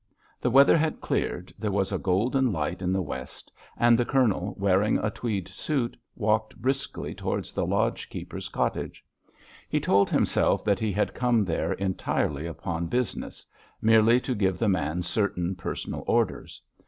The weather had cleared, there was a golden light in the west, and the Colonel, wearing a tweed suit, walked briskly towards the lodge keeper's cottage. He told himself that he had come there entirely upon business—merely to give the man certain personal orders.